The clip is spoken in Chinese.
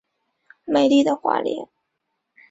美丽的花莲